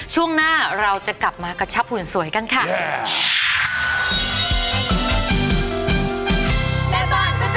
เต็มอิ่ม